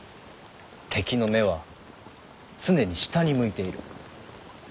敵の目は常に下に向いている。